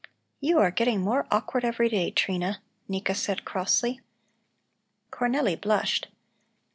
"You are getting more awkward every day, Trina," Nika said crossly. Cornelli blushed.